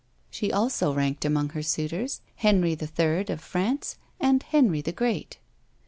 She also ranked amongst her suitors Henry the Third of France, and Henry the Great.